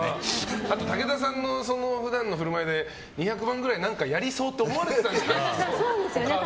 あと武田さんの普段の振る舞いで２００万円ぐらい何かやりそうって思われてたんでしょ。